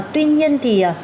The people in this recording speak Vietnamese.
tuy nhiên thì